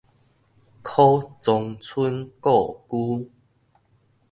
許藏春故居